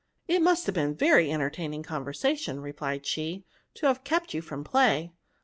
" It must have been very entertaining conversation," replied she, " to have kept you from play."